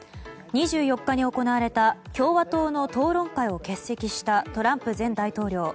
２４日に行われた共和党の討論会を欠席したトランプ前大統領。